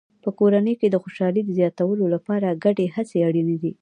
په کورنۍ کې د خوشحالۍ د زیاتولو لپاره ګډې هڅې اړینې دي.